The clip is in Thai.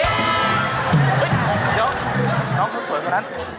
เดี๋ยวน้องสวยตัวนั้น